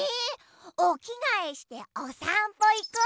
おきがえしておさんぽいこうよ。